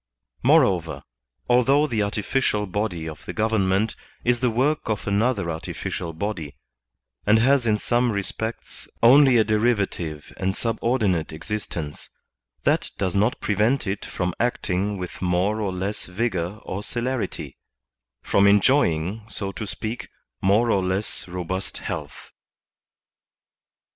Moreover, although the artificial body of the govern ment is the work of another artificial body, and has in some respects only a derivative and subordinate exist ence, that does not prevent it from acting with more or less vigor or celerity, from enjoying, so to speak, more or less robust health.